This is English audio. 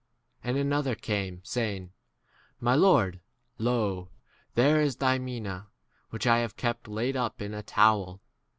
And another came, saying, [My] Lord, lo, [there is] thy mina, which I have kept laid up in a towel.